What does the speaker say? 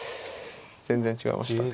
全然違いましたね。